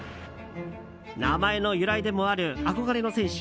名前の由来でもある憧れの選手